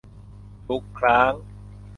ทุกครั้ง